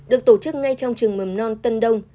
được tổ chức ngay trong trường mầm non tân đông